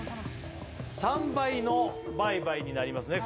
３倍の倍買になりますね